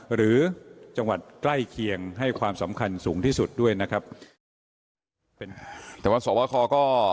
หรือจังหวัดใกล้เคียงให้ความสำคัญสูงที่สุดด้วยนะครับแต่ว่าสวคอก็